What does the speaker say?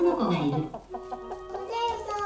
お姉さん